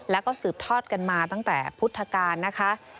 แล้วก็สืบทอดกันมาตั้งแต่พุทธกาลนะคะ